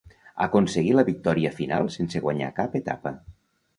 Aconseguí la victòria final sense guanyar cap etapa.